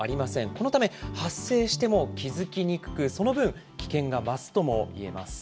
このため、発生しても気付きにくく、その分、危険が増すともいえます。